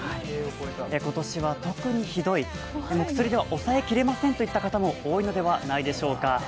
今年は特にひどい、薬では抑えきれませんといった方も多いのではないでしょうか。